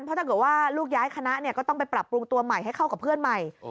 เพราะถ้าเกิดว่าลูกย้ายคณะก็ต้องไปปรับปรุงตัวใหม่ให้เข้ากับเพื่อนใหม่